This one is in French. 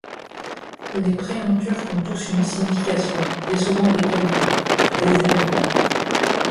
Les prénoms turcs ont tous une signification, liée souvent à des qualités, des éléments.